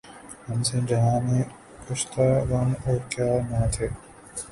ہم سے جہاں میں کشتۂ غم اور کیا نہ تھے